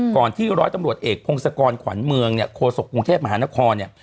ที่ร้อยตำรวจเอกพงศกรขวัญเมืองเนี่ยโฆษกรุงเทพมหานครเนี่ย